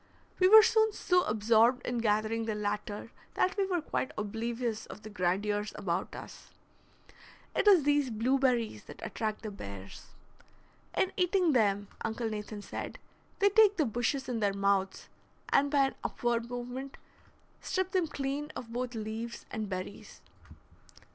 We were soon so absorbed in gathering the latter that we were quite oblivious of the grandeurs about us. It is these blueberries that attract the bears. In eating them, Uncle Nathan said, they take the bushes in their mouths, and by an upward movement strip them clean of both leaves and berries.